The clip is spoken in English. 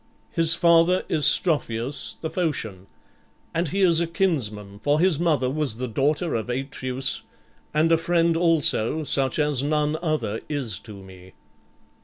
"His father is Strophius the Phocian; and he is a kinsman, for his mother was the daughter of Atreus and a friend also such as none other is to me."